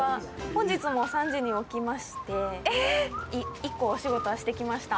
本日も３時には置きまして、１個お仕事してまいりました。